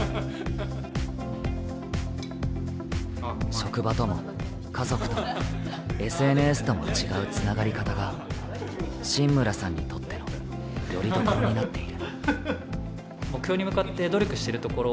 職場とも、家族とも、ＳＮＳとも違うつながり方が榛村さんにとっての拠り所になっている。